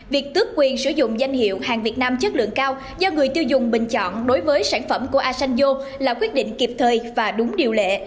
việc tước quyền sử dụng danh hiệu hàng việt nam chất lượng cao do người tiêu dùng bình chọn đối với sản phẩm của asanjo là quyết định kịp thời và đúng điều lệ